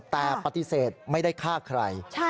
แต่ปฏิเสธไม่ได้ฆ่าใคร